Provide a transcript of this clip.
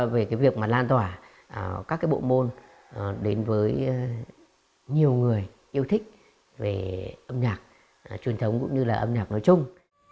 về cái việc mà lan tỏa các cái bộ môn đến với nhiều người yêu thích về âm nhạc truyền thống cũng như là âm nhạc nói chung